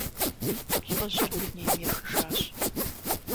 ЛӀыжьыр дунейм ехыжащ.